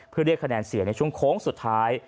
เพื่อเรียกคะแนนเสียในช่วงโค้งสุดท้าย